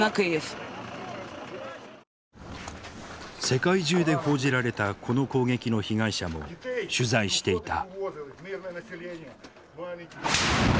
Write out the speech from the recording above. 世界中で報じられたこの攻撃の被害者も取材していた。